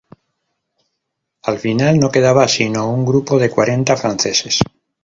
Al final no quedaba sino un grupo de cuarenta franceses.